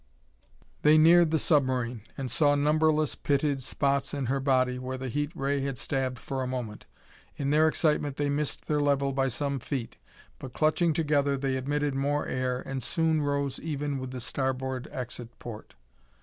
They neared the submarine, and saw numberless pitted spots in her body, where the heat ray had stabbed for a moment. In their excitement they missed their level by some feet, but clutching together they admitted more air and soon rose even with the starboard exit port.